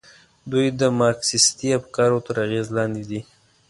دوی د مارکسیستي افکارو تر اغېز لاندې دي.